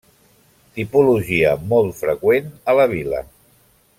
Tipologia molt freqüent a la vila.